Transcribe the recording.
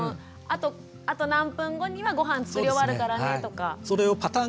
あと何分後にはごはん作り終わるからねとか。